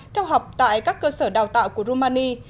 theo học tại các cơ sở đào tạo của rumani